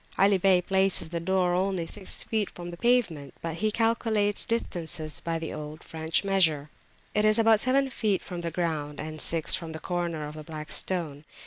Ali Bey places the door only six feet from the pavement, but he calculates distances by the old French measure. It is about seven feet from the ground, and six from the corner of the Black Stone.